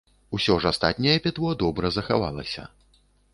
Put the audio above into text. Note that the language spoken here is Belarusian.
Усё ж астатняе пітво добра захавалася.